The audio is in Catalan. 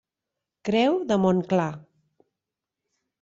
Creu de Montclar.